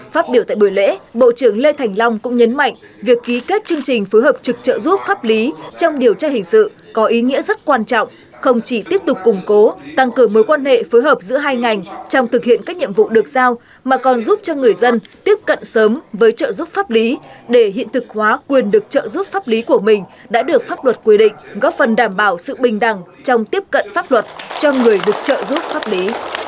phát biểu tại buổi lễ bộ trưởng lê thành long cũng nhấn mạnh việc ký kết chương trình phối hợp trực trợ giúp pháp lý trong điều tra hình sự có ý nghĩa rất quan trọng không chỉ tiếp tục củng cố tăng cường mối quan hệ phối hợp giữa hai ngành trong thực hiện các nhiệm vụ được giao mà còn giúp cho người dân tiếp cận sớm với trợ giúp pháp lý để hiện thực hóa quyền được trợ giúp pháp lý của mình đã được pháp luật quy định góp phần đảm bảo sự bình đẳng trong tiếp cận pháp luật cho người được trợ giúp pháp lý